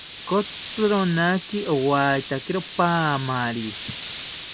Kotzironaki owaetakiro paamari